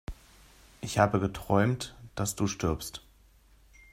Ich habe geträumt, dass du stirbst!